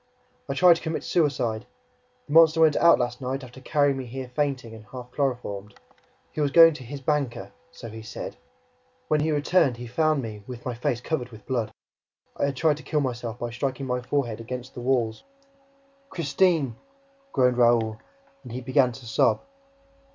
"I tried to commit suicide! The monster went out last night, after carrying me here fainting and half chloroformed. He was going TO HIS BANKER, so he said! ... When he returned he found me with my face covered with blood ... I had tried to kill myself by striking my forehead against the walls." "Christine!" groaned Raoul; and he began to sob.